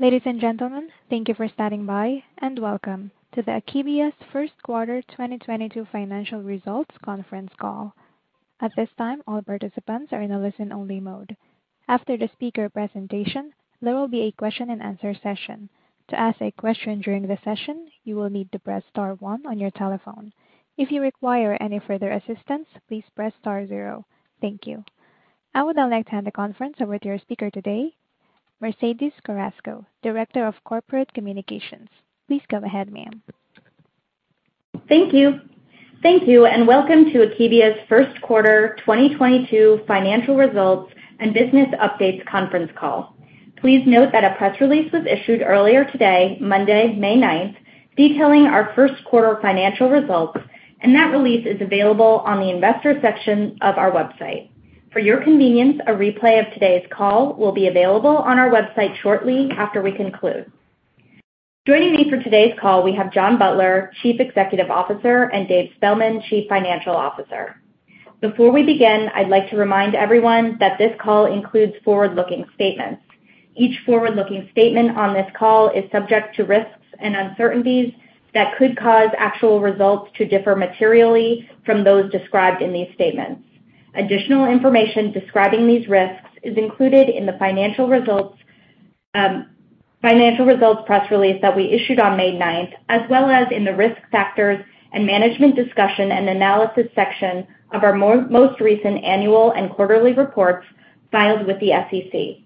Ladies and gentlemen, thank you for standing by, and welcome to the Akebia's Q1 2022 financial results conference call. At this time, all participants are in a listen-only mode. After the speaker presentation, there will be a question-and-answer session. To ask a question during the session, you will need to press star one on your telephone. If you require any further assistance, please press star zero. Thank you. I would now like to hand the conference over to your speaker today, Mercedes Carrasco, Director of Corporate Communications. Please go ahead, ma'am. Thank you. Thank you, and welcome to Akebia's Q1 2022 financial results and business updates conference call. Please note that a press release was issued earlier today, Monday, May 9th, detailing our Q1 financial results, and that release is available on the investor section of our website. For your convenience, a replay of today's call will be available on our website shortly after we conclude. Joining me for today's call, we have John Butler, Chief Executive Officer, and Dave Spellman, Chief Financial Officer. Before we begin, I'd like to remind everyone that this call includes forward-looking statements. Each forward-looking statement on this call is subject to risks and uncertainties that could cause actual results to differ materially from those described in these statements. Additional information describing these risks is included in the financial results press release that we issued on May 9th, as well as in the Risk Factors and Management Discussion and Analysis section of our most recent annual and quarterly reports filed with the SEC.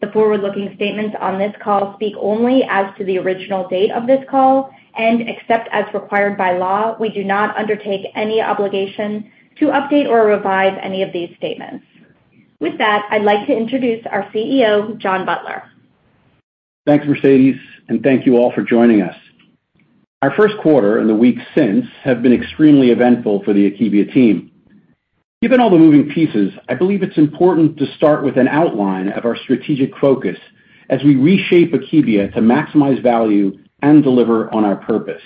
The forward-looking statements on this call speak only as to the original date of this call and except as required by law, we do not undertake any obligation to update or revise any of these statements. With that, I'd like to introduce our CEO John Butler. Thanks Mercedes and thank you all for joining us. Our Q1 and the weeks since have been extremely eventful for the Akebia team. Given all the moving pieces, I believe it's important to start with an outline of our strategic focus as we reshape Akebia to maximize value and deliver on our purpose.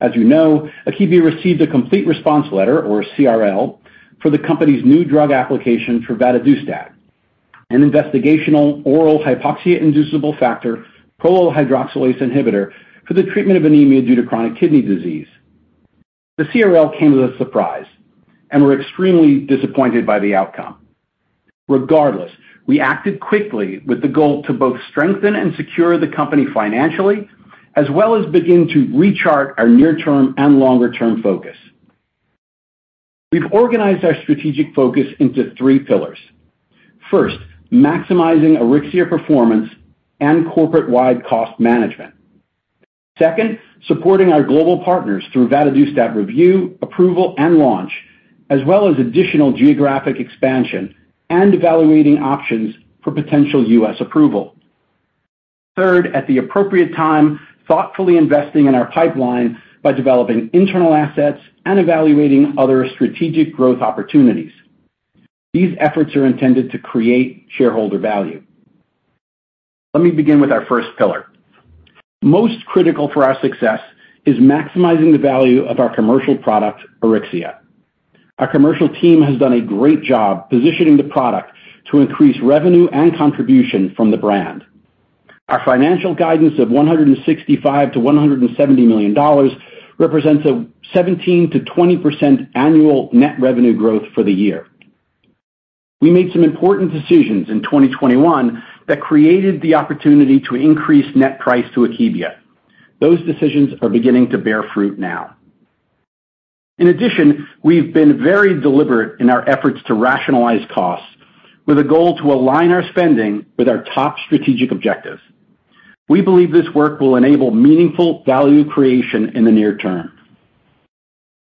As you know, Akebia received a complete response letter or CRL for the company's new drug application for vadadustat, an investigational oral hypoxia-inducible factor prolyl hydroxylase inhibitor for the treatment of anemia due to chronic kidney disease. The CRL came as a surprise, and we're extremely disappointed by the outcome. Regardless, we acted quickly with the goal to both strengthen and secure the company financially, as well as begin to rechart our near term and longer-term focus. We've organized our strategic focus into three pillars. First, maximizing Auryxia performance and corporate-wide cost management. Second, supporting our global partners through vadadustat review, approval, and launch, as well as additional geographic expansion and evaluating options for potential U.S. approval. Third, at the appropriate time, thoughtfully investing in our pipeline by developing internal assets and evaluating other strategic growth opportunities. These efforts are intended to create shareholder value. Let me begin with our first pillar. Most critical for our success is maximizing the value of our commercial product, Auryxia. Our commercial team has done a great job positioning the product to increase revenue and contribution from the brand. Our financial guidance of $165 million-$170 million represents a 17%-20% annual net revenue growth for the year. We made some important decisions in 2021 that created the opportunity to increase net price to Akebia. Those decisions are beginning to bear fruit now. In addition, we've been very deliberate in our efforts to rationalize costs with a goal to align our spending with our top strategic objectives. We believe this work will enable meaningful value creation in the near term.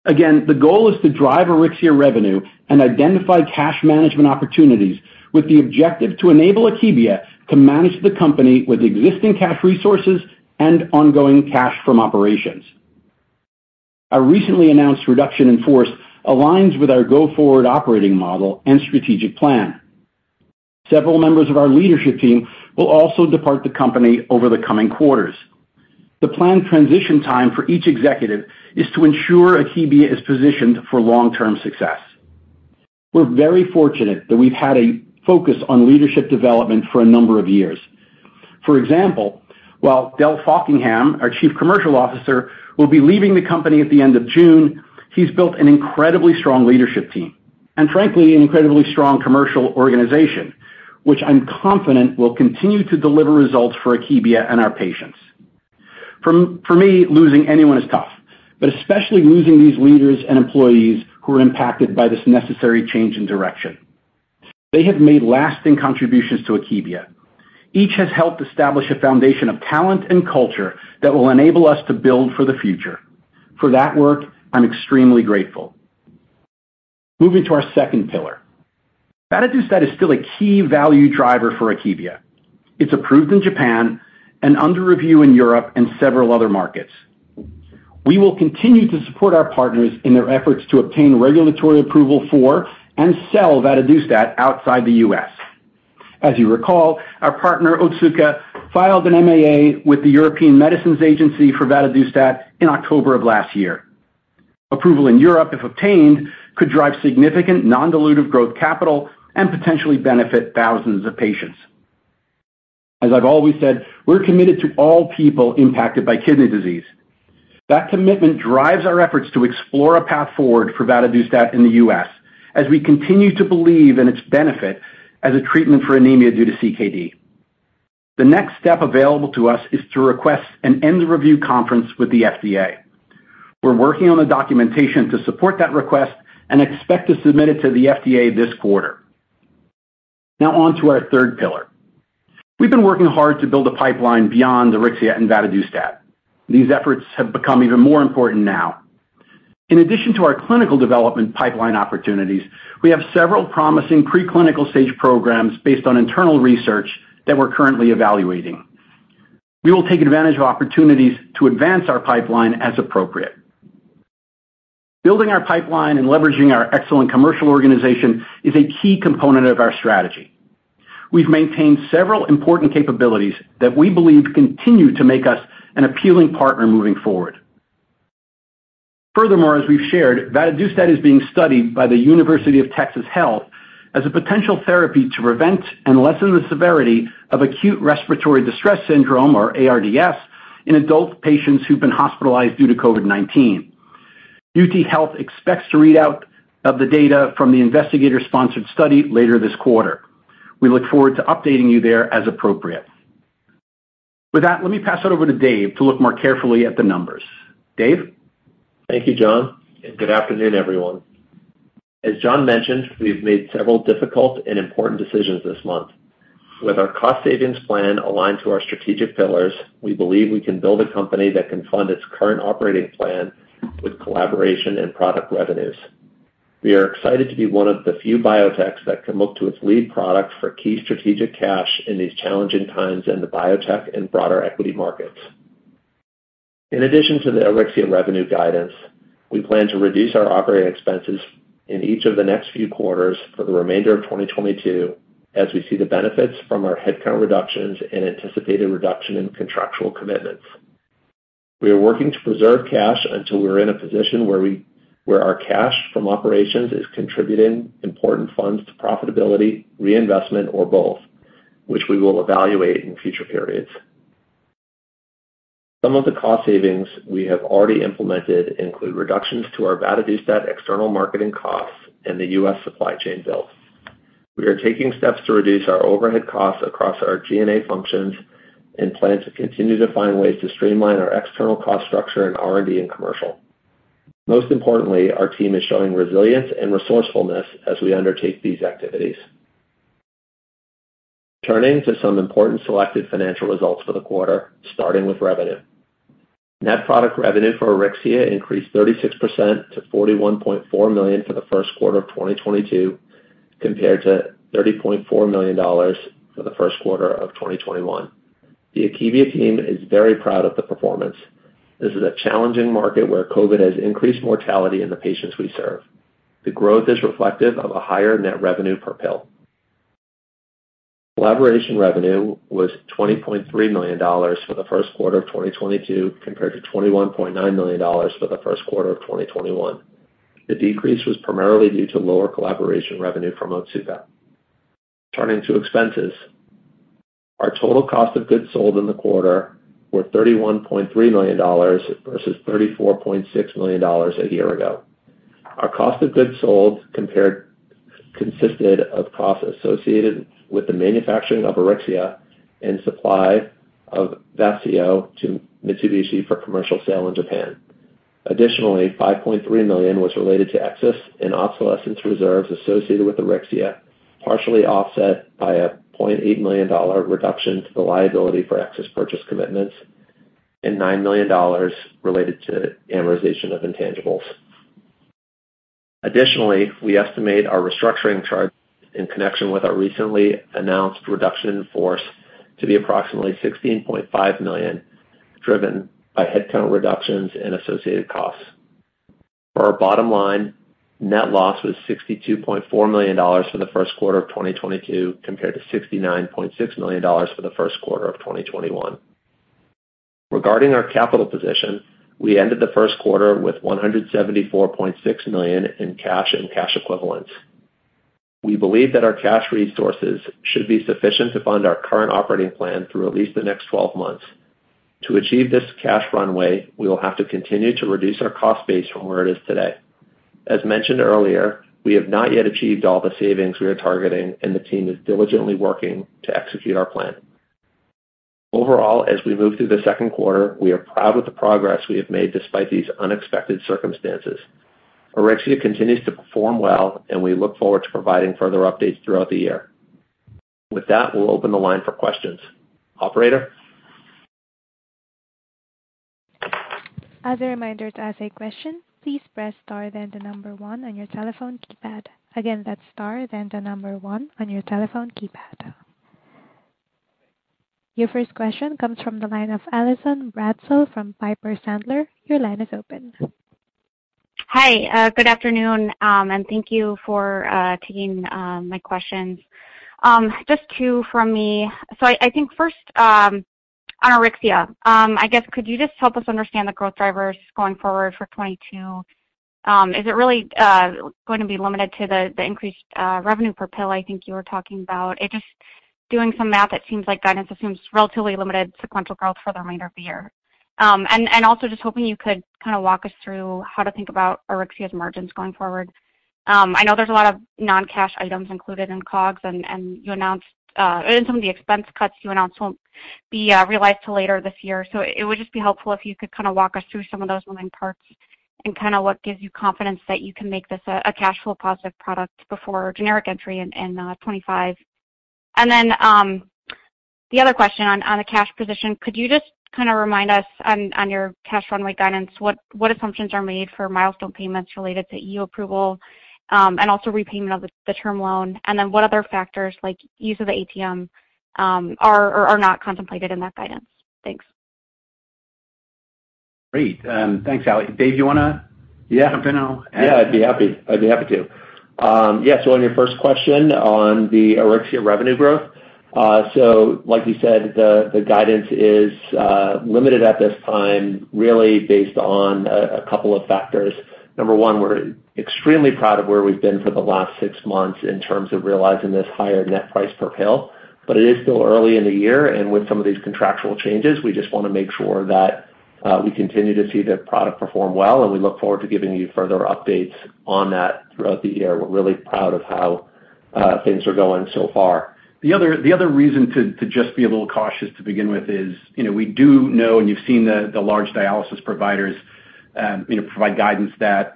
Again, the goal is to drive Auryxia revenue and identify cash management opportunities with the objective to enable Akebia to manage the company with existing cash resources and ongoing cash from operations. Our recently announced reduction in force aligns with our go-forward operating model and strategic plan. Several members of our leadership team will also depart the company over the coming quarters. The planned transition time for each executive is to ensure Akebia is positioned for long-term success. We're very fortunate that we've had a focus on leadership development for a number of years. For example, while Dell Faulkingham, our Chief Commercial Officer, will be leaving the company at the end of June, he's built an incredibly strong leadership team and frankly an incredibly strong commercial organization, which I'm confident will continue to deliver results for Akebia and our patients. For me, losing anyone is tough, but especially losing these leaders and employees who are impacted by this necessary change in direction. They have made lasting contributions to Akebia. Each has helped establish a foundation of talent and culture that will enable us to build for the future. For that work, I'm extremely grateful. Moving to our second pillar. Vadadustat is still a key value driver for Akebia. It's approved in Japan and under review in Europe and several other markets. We will continue to support our partners in their efforts to obtain regulatory approval for and sell vadadustat outside the U.S. As you recall, our partner, Otsuka, filed an MAA with the European Medicines Agency for vadadustat in October of last year. Approval in Europe, if obtained, could drive significant non-dilutive growth capital and potentially benefit thousands of patients. As I've always said, we're committed to all people impacted by kidney disease. That commitment drives our efforts to explore a path forward for vadadustat in the U.S. as we continue to believe in its benefit as a treatment for anemia due to CKD. The next step available to us is to request an end review conference with the FDA. We're working on the documentation to support that request and expect to submit it to the FDA this quarter. Now on to our third pillar. We've been working hard to build a pipeline beyond Auryxia and vadadustat. These efforts have become even more important now. In addition to our clinical development pipeline opportunities, we have several promising preclinical stage programs based on internal research that we're currently evaluating. We will take advantage of opportunities to advance our pipeline as appropriate. Building our pipeline and leveraging our excellent commercial organization is a key component of our strategy. We've maintained several important capabilities that we believe continue to make us an appealing partner moving forward. Furthermore, as we've shared, vadadustat is being studied by the University of Texas Health Science Center at Houston as a potential therapy to prevent and lessen the severity of acute respiratory distress syndrome or ARDS in adult patients who've been hospitalized due to COVID-19. UTHealth expects to readout of the data from the investigator-sponsored study later this quarter. We look forward to updating you there as appropriate. With that, let me pass it over to Dave to look more carefully at the numbers. Dave? Thank you, John, and good afternoon, everyone. As John mentioned, we've made several difficult and important decisions this month. With our cost savings plan aligned to our strategic pillars, we believe we can build a company that can fund its current operating plan with collaboration and product revenues. We are excited to be one of the few biotechs that can look to its lead product for key strategic cash in these challenging times in the biotech and broader equity markets. In addition to the Auryxia revenue guidance, we plan to reduce our operating expenses in each of the next few quarters for the remainder of 2022, as we see the benefits from our headcount reductions and anticipated reduction in contractual commitments. We are working to preserve cash until we're in a position where our cash from operations is contributing important funds to profitability, reinvestment or both, which we will evaluate in future periods. Some of the cost savings we have already implemented include reductions to our vadadustat external marketing costs and the US supply chain bills. We are taking steps to reduce our overhead costs across our G&A functions and plan to continue to find ways to streamline our external cost structure in R&D and commercial. Most importantly, our team is showing resilience and resourcefulness as we undertake these activities. Turning to some important selected financial results for the quarter, starting with revenue. Net product revenue for Auryxia increased 36% to $41.4 million for the first quarter of 2022, compared to $30.4 million for the first quarter of 2021. The Akebia team is very proud of the performance. This is a challenging market where COVID has increased mortality in the patients we serve. The growth is reflective of a higher net revenue per pill. Collaboration revenue was $20.3 million for the first quarter of 2022, compared to $21.9 million for the first quarter of 2021. The decrease was primarily due to lower collaboration revenue from Otsuka. Turning to expenses. Our total cost of goods sold in the quarter were $31.3 million versus $34.6 million a year ago. Our cost of goods sold consisted of costs associated with the manufacturing of Auryxia and supply of Vafseo to Mitsubishi for commercial sale in Japan. Additionally, $5.3 million was related to excess and obsolescence reserves associated with Auryxia, partially offset by a $0.8 million reduction to the liability for excess purchase commitments and $9 million related to amortization of intangibles. Additionally, we estimate our restructuring charges in connection with our recently announced reduction in force to be approximately $16.5 million, driven by headcount reductions and associated costs. For our bottom line, net loss was $62.4 million for the Q1 of 2022, compared to $69.6 million for the first quarter of 2021. Regarding our capital position, we ended the Q1 with $174.6 million in cash and cash equivalents. We believe that our cash resources should be sufficient to fund our current operating plan through at least the next 12 months. To achieve this cash runway, we will have to continue to reduce our cost base from where it is today. As mentioned earlier, we have not yet achieved all the savings we are targeting, and the team is diligently working to execute our plan. Overall, as we move through the Q2, we are proud of the progress we have made despite these unexpected circumstances. Auryxia continues to perform well, and we look forward to providing further updates throughout the year. With that, we'll open the line for questions. Operator? As a reminder to ask a question, please press star then the number one on your telephone keypad. Again, that's star then the number one on your telephone keypad. Your first question comes from the line of Allison Bratzel from Piper Sandler. Your line is open. Hi. Good afternoon and thank you for taking my questions. Just 2 from me. I think 1st, on Auryxia, I guess could you just help us understand the growth drivers going forward for 2022? Is it really going to be limited to the increased revenue per pill I think you were talking about? It's just doing some math, it seems like guidance assumes relatively limited sequential growth for the remainder of the year. Also just hoping you could kind of walk us through how to think about Auryxia's margins going forward. I know there's a lot of non-cash items included in COGS, and some of the expense cuts you announced won't be realized till later this year. It would just be helpful if you could kind of walk us through some of those moving parts and kind of what gives you confidence that you can make this a cash flow positive product before generic entry in 2025. The other question on the cash position, could you just kind of remind us on your cash runway guidance, what assumptions are made for milestone payments related to EU approval, and also repayment of the term loan? What other factors like use of the ATM are or are not contemplated in that guidance? Thanks. Great. Thanks, Ali. Dave, you wanna- Yeah. Jump in? I'll add. Yeah, I'd be happy to. Yeah, so on your first question on the Auryxia revenue growth. So like you said, the guidance is limited at this time really based on a couple of factors. Number one, we're extremely proud of where we've been for the last six months in terms of realizing this higher net price per pill, but it is still early in the year, and with some of these contractual changes, we just wanna make sure that we continue to see the product perform well, and we look forward to giving you further updates on that throughout the year. We're really proud of how things are going so far. The other reason to just be a little cautious to begin with is, you know we do know and you've seen the large dialysis providers, you know provide guidance that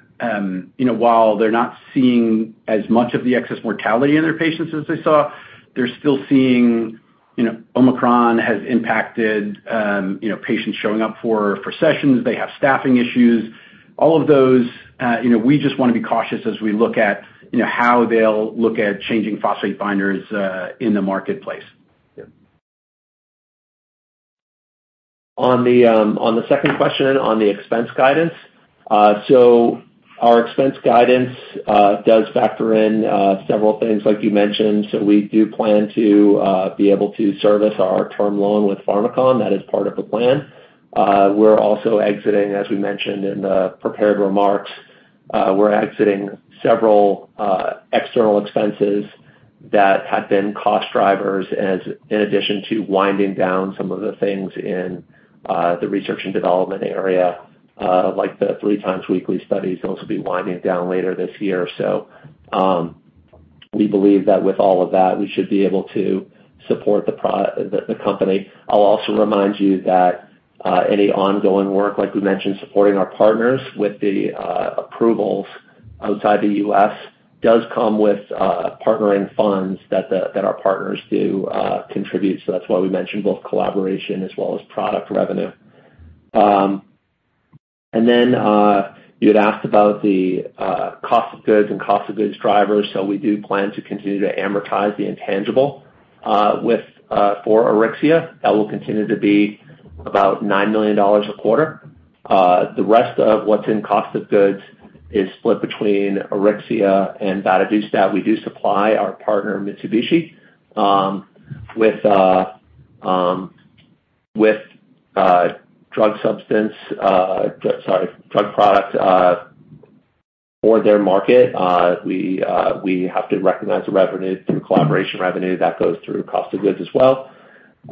you know while they're not seeing as much of the excess mortality in their patients as they saw they're still seeing you know, Omicron has impacted you know patients showing up for sessions. They have staffing issues. All of those, you know we just wanna be cautious as we look at you know how they'll look at changing phosphate binders in the marketplace. Yeah. On the second question on the expense guidance, our expense guidance does factor in several things like you mentioned. We do plan to be able to service our term loan with Pharmakon. That is part of the plan. We're also exiting, as we mentioned in the prepared remarks, several external expenses that had been cost drivers as in addition to winding down some of the things in the research and development area, like the three times weekly studies. Those will be winding down later this year. We believe that with all of that, we should be able to support the company. I'll also remind you that any ongoing work, like we mentioned supporting our partners with the approvals outside the U.S. does come with partnering funds that our partners do contribute. That's why we mentioned both collaboration as well as product revenue. You had asked about the cost of goods and cost of goods drivers. We do plan to continue to amortize the intangible for Auryxia. That will continue to be about $9 million a quarter. The rest of what's in cost of goods is split between Auryxia and vadadustat. We do supply our partner, Mitsubishi, with drug products for their market. We have to recognize the revenue through collaboration revenue that goes through cost of goods as well.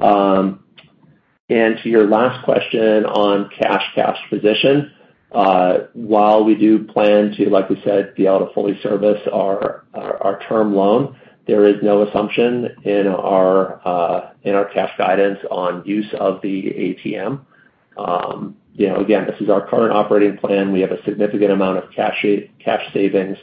To your last question on cash position, while we do plan to like we said, be able to fully service our term loan, there is no assumption in our cash guidance on use of the ATM. You know again, this is our current operating plan. We have a significant amount of cash savings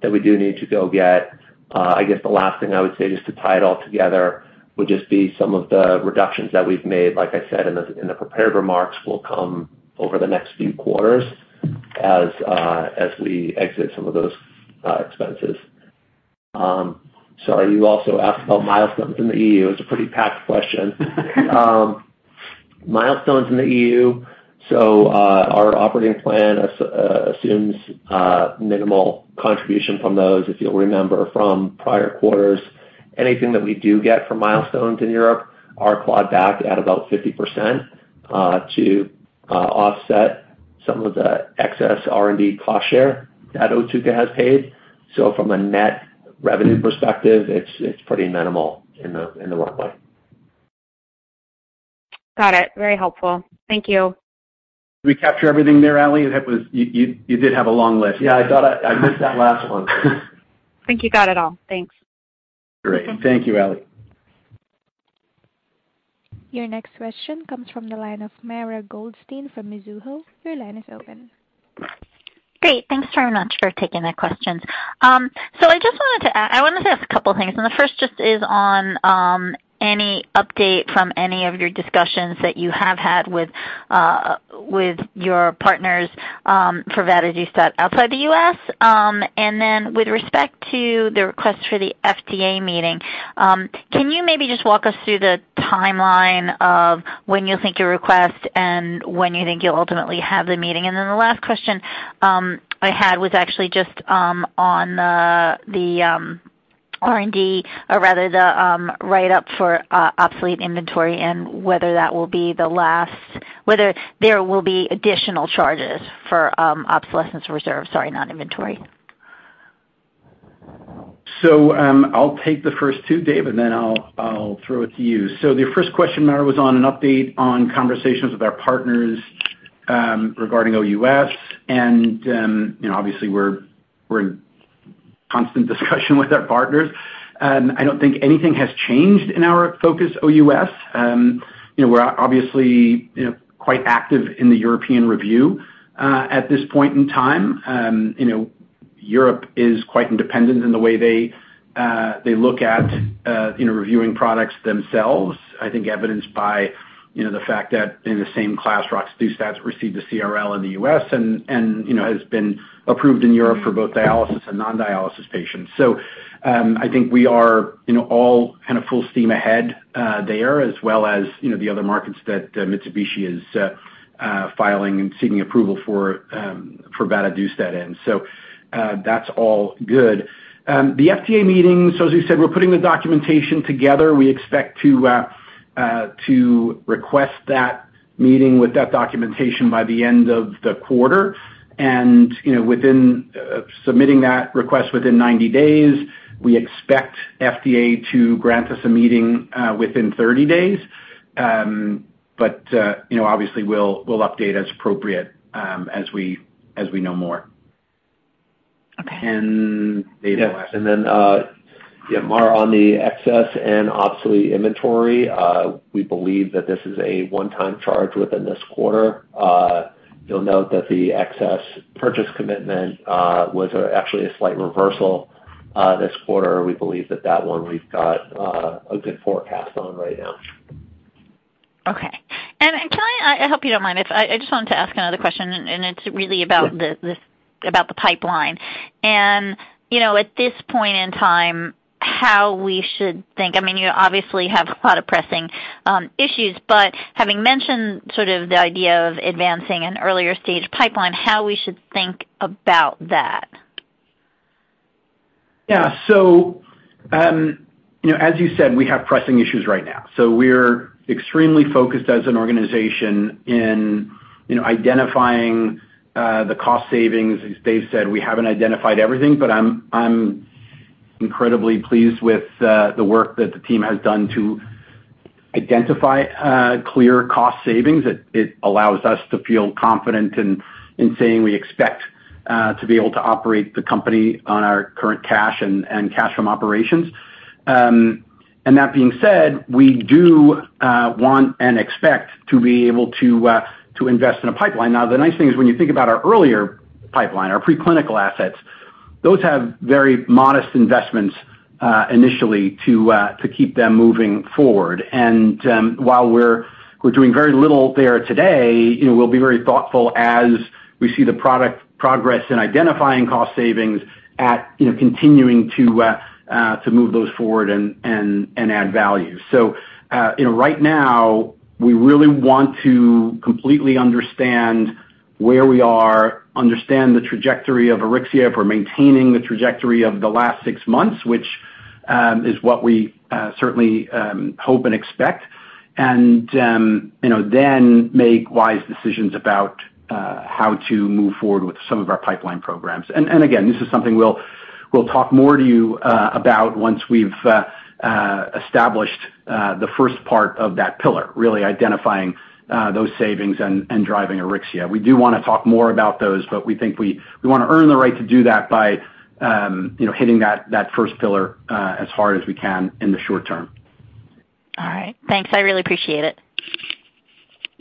that we do need to go get. I guess the last thing I would say just to tie it all together would just be some of the reductions that we've made, like I said in the prepared remarks, will come over the next few quarters as we exit some of those expenses. Sorry, you also asked about milestones in the EU. It was a pretty packed question. Milestones in the EU. Our operating plan assumes minimal contribution from those. If you'll remember from prior quarters, anything that we do get from milestones in Europe are clawed back at about 50%, to offset some of the excess R&D cost share that Otsuka has paid. From a net revenue perspective, it's pretty minimal in the runway. Got it. Very helpful. Thank you. Did we capture everything there, Ali? That was, you did have a long list. Yeah, I thought I missed that last one. I think you got it all. Thanks. Great. Thank you, Ali. Your next question comes from the line of Mara Goldstein from Mizuho. Your line is open. Great. Thanks very much for taking the questions. I just wanted to ask a couple things, the first just is on any update from any of your discussions that you have had with your partners for vadadustat outside the U.S. With respect to the request for the FDA meeting, can you maybe just walk us through the timeline of when you think your request and when you think you'll ultimately have the meeting? The last question I had was actually just on the R&D, or rather the write-off for obsolete inventory and whether there will be additional charges for obsolescence reserve, sorry, not inventory. I'll take the first two Dave, and then I'll throw it to you. The first question, Mara was on an update on conversations with our partners regarding OUS. You know, obviously we're in constant discussion with our partners. I don't think anything has changed in our focus OUS. You know we're obviously you know quite active in the European review at this point in time. You know, Europe is quite independent in the way they look at you know, reviewing products themselves. I think evidenced by you know the fact that in the same class roxadustat received the CRL in the U.S. and you know, has been approved in Europe for both dialysis and non-dialysis patients. I think we are, you know, all kind of full steam ahead there as well as, you know, the other markets that Mitsubishi is filing and seeking approval for vadadustat in. That's all good. The FDA meeting, so as you said, we're putting the documentation together. We expect to request that meeting with that documentation by the end of the quarter. You know, within submitting that request within 90 days, we expect FDA to grant us a meeting within 30 days. You know, obviously, we'll update as appropriate as we know more. Okay. Dave, go ahead. Yes. Mara, on the excess and obsolete inventory, we believe that this is a one-time charge within this quarter. You'll note that the excess purchase commitment was actually a slight reversal this quarter. We believe that one we've got a good forecast on right now. Okay. I hope you don't mind if I just wanted to ask another question, and it's really about the. Yeah. about the pipeline. You know, at this point in time, how we should think. I mean, you obviously have a lot of pressing issues, but having mentioned sort of the idea of advancing an earlier stage pipeline, how we should think about that. Yeah. You know, as you said, we have pressing issues right now. We're extremely focused as an organization in you know identifying the cost savings. As Dave said, we haven't identified everything, but I'm incredibly pleased with the work that the team has done to identify clear cost savings. It allows us to feel confident in saying we expect to be able to operate the company on our current cash and cash from operations. That being said, we do want and expect to be able to to invest in a pipeline. Now, the nice thing is when you think about our earlier pipeline our preclinical assets those have very modest investments initially to keep them moving forward. While we're doing very little there today, you know we'll be very thoughtful as we see the product progress in identifying cost savings, continuing to move those forward and add value. You know, right now, we really want to completely understand where we are, understand the trajectory of Auryxia if we're maintaining the trajectory of the last six months, which is what we certainly hope and expect. Then make wise decisions about how to move forward with some of our pipeline programs. Again, this is something we'll talk more to you about once we've established the first part of that pillar, really identifying those savings and driving Auryxia. We do wanna talk more about those, but we think we wanna earn the right to do that by, you know, hitting that first pillar as hard as we can in the short term. All right. Thanks. I really appreciate it.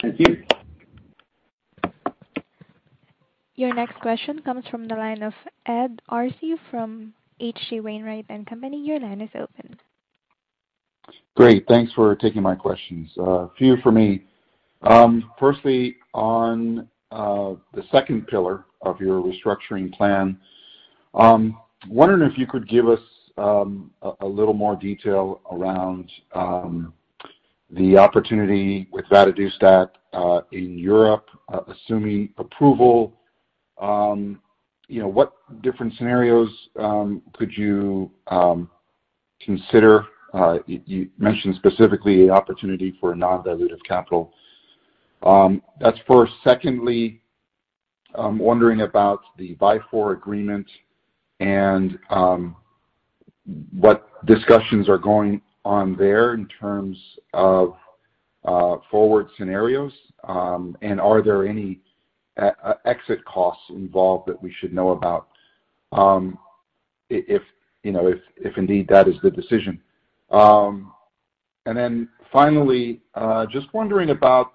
Thank you. Thank you. Your next question comes from the line of Ed Arce from H.C. Wainwright & Co. Your line is open. Great. Thanks for taking my questions. A few for me. Firstly, on the second pillar of your restructuring plan, wondering if you could give us a little more detail around the opportunity with vadadustat in Europe, assuming approval. You know, what different scenarios could you consider? You mentioned specifically opportunity for non-dilutive capital. That's first. Secondly, I'm wondering about the Vifor agreement and what discussions are going on there in terms of forward scenarios. Are there any exit costs involved that we should know about, if you know, if indeed that is the decision. Finally, just wondering about,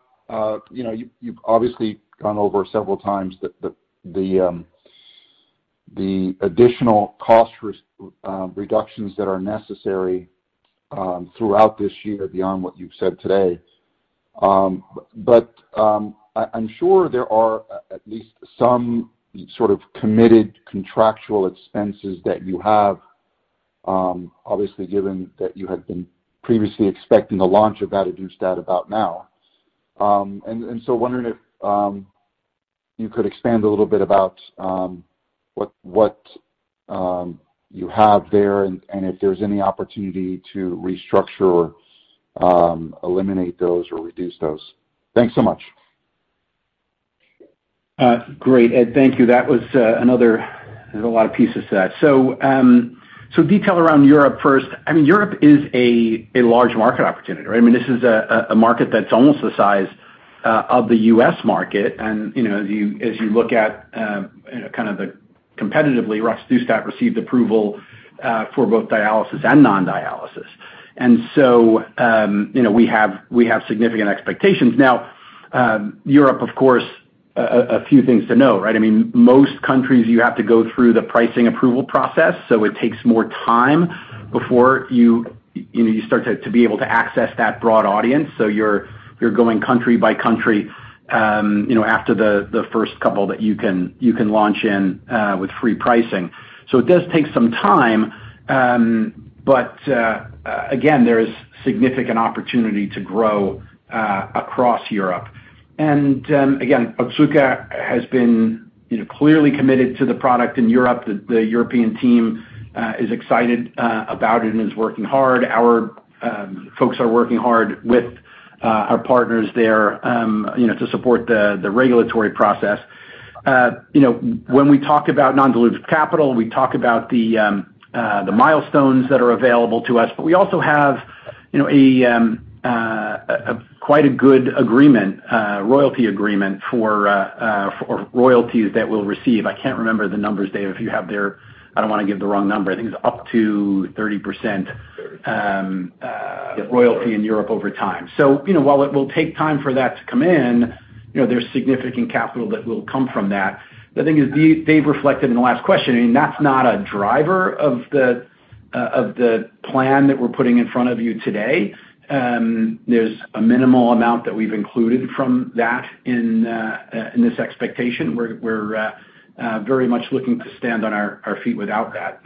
you know, you've obviously gone over several times the additional cost reductions that are necessary throughout this year beyond what you've said today. I'm sure there are at least some sort of committed contractual expenses that you have, obviously given that you had been previously expecting a launch of vadadustat about now. Wondering if you could expand a little bit about what you have there and if there's any opportunity to restructure or eliminate those or reduce those. Thanks so much. Great, Ed. Thank you. That was another. There's a lot of pieces to that. Detail around Europe first. I mean, Europe is a large market opportunity, right? I mean, this is a market that's almost the size of the U.S. market. You know, as you look at kind of the competitively, roxadustat received approval for both dialysis and non-dialysis. You know, we have significant expectations. Now, Europe, of course, a few things to note, right? I mean, most countries, you have to go through the pricing approval process, so it takes more time before you know, you start to be able to access that broad audience. You're going country by country, you know, after the first couple that you can launch in with free pricing. It does take some time. Again, there is significant opportunity to grow across Europe. Again, Otsuka has been, you know, clearly committed to the product in Europe. The European team is excited about it and is working hard. Our folks are working hard with our partners there, you know, to support the regulatory process. You know, when we talk about non-dilutive capital, we talk about the milestones that are available to us. We also have, you know, quite a good royalty agreement for royalties that we'll receive. I can't remember the numbers, Dave, if you have there. I don't wanna give the wrong number. I think it's up to 30% royalty in Europe over time. You know, while it will take time for that to come in, you know, there's significant capital that will come from that. The thing is, Dave reflected in the last question, I mean, that's not a driver of the plan that we're putting in front of you today. There's a minimal amount that we've included from that in this expectation. We're very much looking to stand on our feet without that.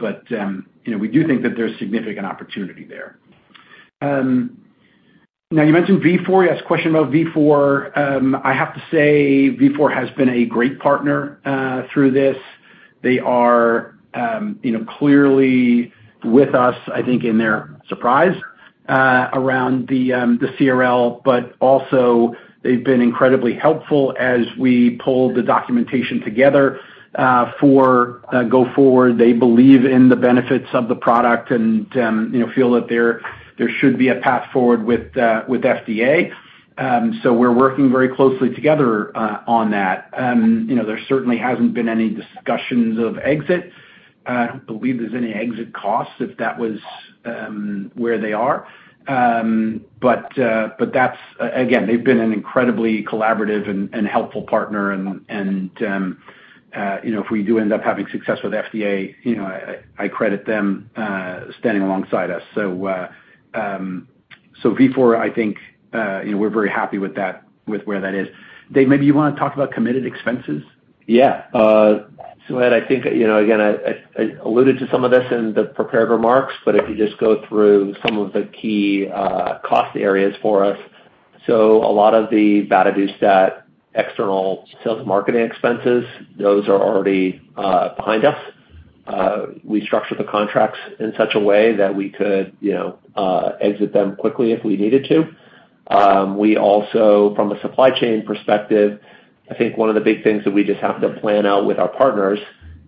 You know, we do think that there's significant opportunity there. Now, you mentioned Vifor. You asked a question about Vifor. I have to say Vifor has been a great partner through this. They are, you know, clearly with us, I think in their surprise around the CRL, but also they've been incredibly helpful as we pull the documentation together for going forward. They believe in the benefits of the product and, you know, feel that there should be a path forward with FDA. We're working very closely together on that. You know, there certainly hasn't been any discussions of exit. I don't believe there's any exit costs if that was where they are. They've been an incredibly collaborative and, you know, if we do end up having success with FDA, you know, I credit them standing alongside us. Vifor, I think, you know, we're very happy with that, with where that is. Dave, maybe you wanna talk about committed expenses? Yeah, Ed, I think, you know, again, I alluded to some of this in the prepared remarks, but if you just go through some of the key cost areas for us. A lot of the vadadustat external sales marketing expenses, those are already behind us. We structured the contracts in such a way that we could, you know, exit them quickly if we needed to. We also, from a supply chain perspective, I think one of the big things that we just have to plan out with our partners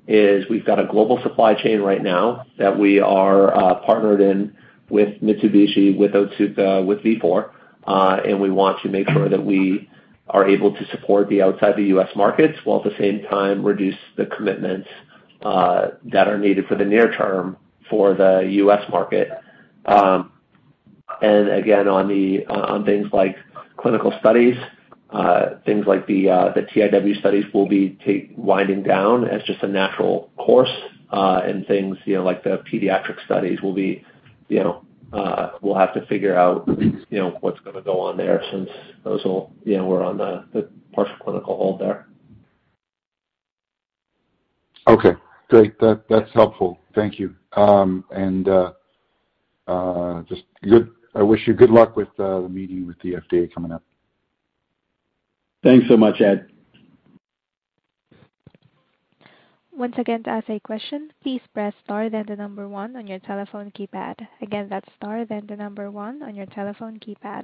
is we've got a global supply chain right now that we are partnered in with Mitsubishi, with Otsuka, with Vifor, and we want to make sure that we are able to support the outside of the U.S. markets while at the same time reduce the commitments that are needed for the near term for the U.S. market. Again, on things like clinical studies, things like the TIW studies will be winding down as just a natural course, and things, you know, like the pediatric studies will be, you know. We'll have to figure out, you know, what's gonna go on there since those will, you know, we're on the partial clinical hold there. Okay, great. That's helpful. Thank you. I wish you good luck with the meeting with the FDA coming up. Thanks so much, Ed. Once again, to ask a question, please press star then the number one on your telephone keypad. Again, that's star then the number one on your telephone keypad.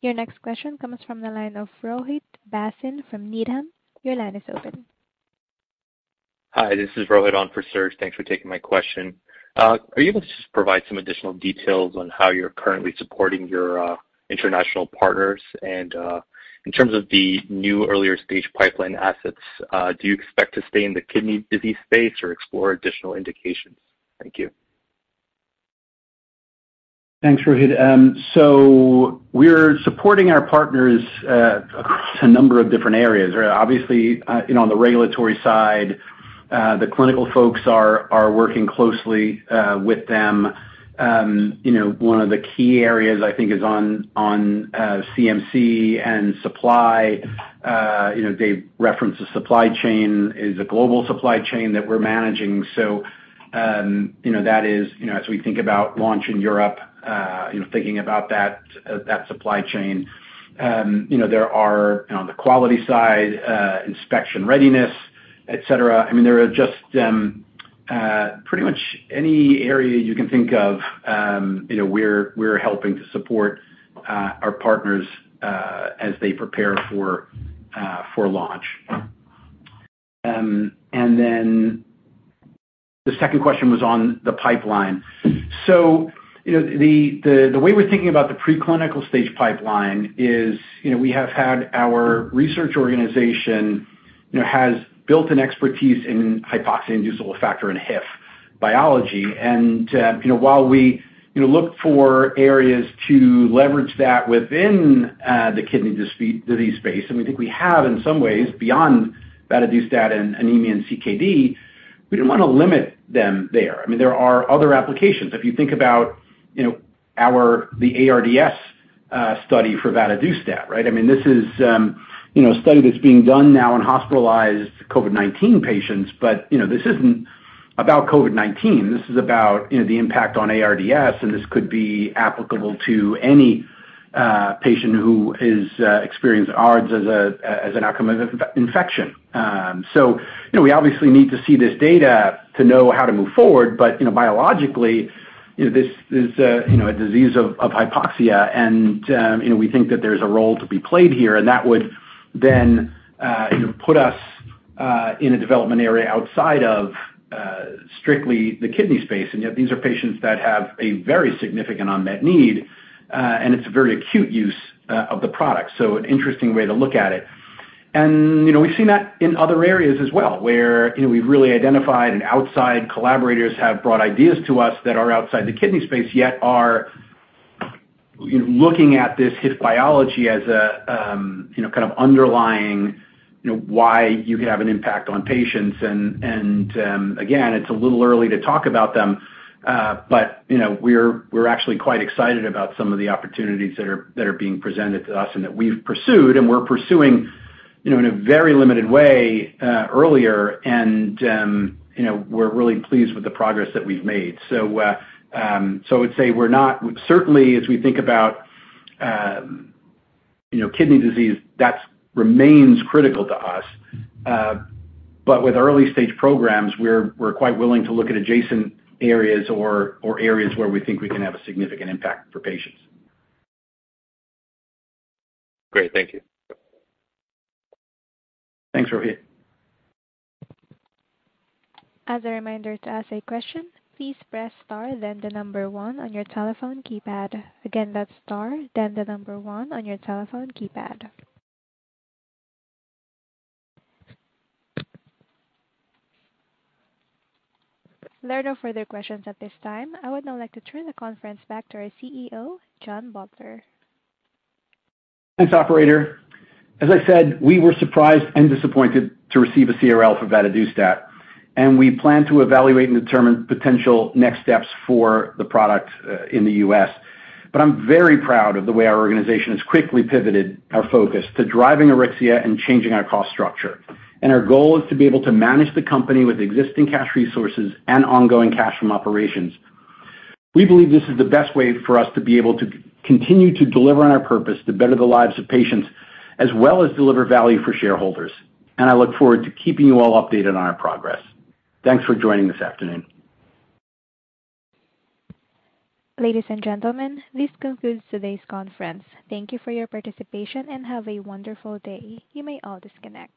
Your next question comes from the line of Rohit Bhasin from Needham. Your line is open. Hi, this is Rohit on for Serge. Thanks for taking my question. Are you able to just provide some additional details on how you're currently supporting your international partners? In terms of the new earlier stage pipeline assets, do you expect to stay in the kidney disease space or explore additional indications? Thank you. Thanks, Rohit. We're supporting our partners across a number of different areas. Obviously, you know, on the regulatory side, the clinical folks are working closely with them. You know, one of the key areas I think is on CMC and supply. You know, Dave referenced the supply chain is a global supply chain that we're managing. That is, you know, as we think about launch in Europe, you know, thinking about that supply chain, you know, there are, on the quality side, inspection readiness, et cetera. I mean, there are just pretty much any area you can think of, you know, we're helping to support our partners as they prepare for launch. Then the second question was on the pipeline. The way we're thinking about the preclinical stage pipeline is, you know, we have had our research organization, you know, has built an expertise in hypoxia-inducible factor in HIF biology. You know, while we, you know, look for areas to leverage that within the kidney disease space, and we think we have in some ways beyond vadadustat and anemia and CKD, we didn't wanna limit them there. I mean, there are other applications. If you think about, you know, our the ARDS study for vadadustat, right? I mean, this is, you know, a study that's being done now in hospitalized COVID-19 patients. You know, this isn't about COVID-19. This is about, you know, the impact on ARDS, and this could be applicable to any patient who is experienced ARDS as an outcome of infection. You know, we obviously need to see this data to know how to move forward. You know, biologically, you know, this is a, you know, a disease of hypoxia. You know, we think that there's a role to be played here, and that would then put us in a development area outside of strictly the kidney space. Yet these are patients that have a very significant unmet need, and it's a very acute use of the product. An interesting way to look at it. You know, we've seen that in other areas as well, where, you know, we've really identified and outside collaborators have brought ideas to us that are outside the kidney space, yet are, you know, looking at this HIF biology as a, you know, kind of underlying, you know, why you have an impact on patients. Again, it's a little early to talk about them, but, you know, we're actually quite excited about some of the opportunities that are being presented to us and that we've pursued and we're pursuing, you know, in a very limited way, earlier. You know, we're really pleased with the progress that we've made. I would say, certainly as we think about, you know, kidney disease, that remains critical to us. with early-stage programs, we're quite willing to look at adjacent areas or areas where we think we can have a significant impact for patients. Great. Thank you. Thanks, Rohit. As a reminder to ask a question, please press star then the number one on your telephone keypad. Again, that's star then the number one on your telephone keypad. There are no further questions at this time. I would now like to turn the conference back to our CEO, John Butler. Thanks, operator. As I said, we were surprised and disappointed to receive a CRL for vadadustat, and we plan to evaluate and determine potential next steps for the product in the U.S. I'm very proud of the way our organization has quickly pivoted our focus to driving Auryxia and changing our cost structure. Our goal is to be able to manage the company with existing cash resources and ongoing cash from operations. We believe this is the best way for us to be able to continue to deliver on our purpose to better the lives of patients as well as deliver value for shareholders. I look forward to keeping you all updated on our progress. Thanks for joining this afternoon. Ladies and gentlemen, this concludes today's conference. Thank you for your participation, and have a wonderful day. You may all disconnect.